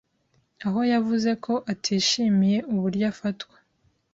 aho yavuze ko atishimiye uburyo afatwa